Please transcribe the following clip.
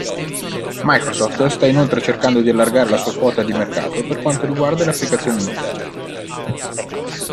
Microsoft sta inoltre cercando di allargare la sua quota di mercato per quanto riguarda le applicazioni Internet.